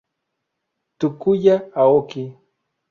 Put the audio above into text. Takuya Aoki